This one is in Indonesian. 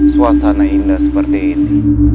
suasana indah seperti ini